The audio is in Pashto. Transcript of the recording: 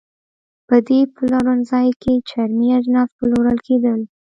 په دې پلورنځۍ کې چرمي اجناس پلورل کېدل.